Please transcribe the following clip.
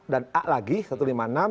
dan a lagi satu ratus lima puluh enam